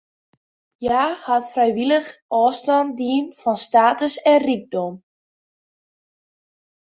Hja hat frijwillich ôfstân dien fan status en rykdom.